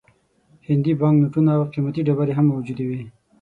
هندي بانک نوټونه او قیمتي ډبرې هم موجودې وې.